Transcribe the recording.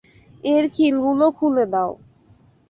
এর খিলগুলো খুলে দাও!